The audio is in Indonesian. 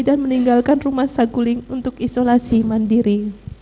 dan meninggalkan rumah saguling untuk isolasi mandiri